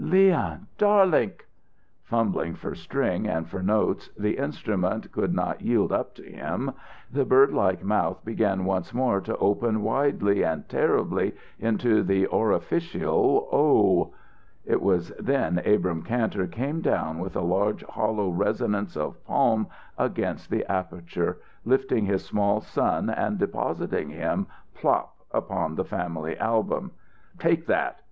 "Leon darlink!" Fumbling for string and for notes the instrument could not yield up to him, the birdlike mouth began once more to open widely and terribly into the orificial O. It was then Abrahm Kantor came down with a large hollow resonance of palm against the aperture, lifting his small son and depositing him plop upon the family album. "Take that!